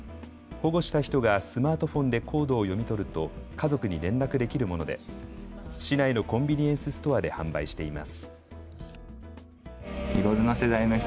保護した人がスマートフォンでコードを読み取ると家族に連絡できるもので市内のコンビニエンスストアで販売しています。